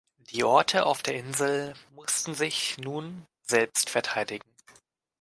Die Orte auf der Insel mussten sich nun selbst verteidigen.